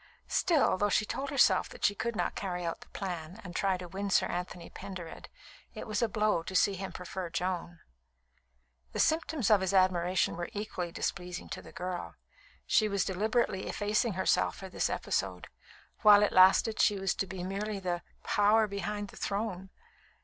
Still, though she told herself that she could not carry out the plan and try to win Sir Anthony Pendered, it was a blow to see him prefer Joan. The symptoms of his admiration were equally displeasing to the girl. She was deliberately effacing herself for this episode; while it lasted, she was to be merely the "power behind the throne."